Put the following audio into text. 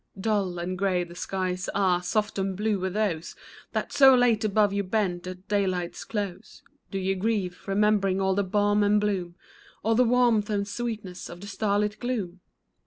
Dull and gray the skies are. Soft and blue were those That so late above you bent at daylight's close ; Do ye grieve, remembering all the balm and bloom, All the warmth and sweetness of the starlit gloom